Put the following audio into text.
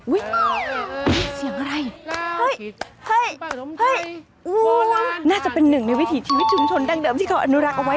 เสียงอะไรเฮ้ยน่าจะเป็นหนึ่งในวิถีชีวิตชุมชนดั้งเดิมที่เขาอนุรักษ์เอาไว้